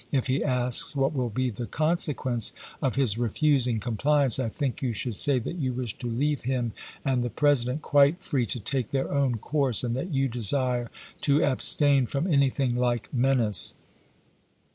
If he asks what will be the con sequence of his refusing compliance, I think you should say that you wish to leave him and the President quite free to take their own course, and that you desire to abstain from anything like menace.